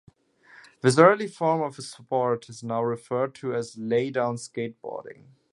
This early form of the sport is now referred to as "laydown skateboarding".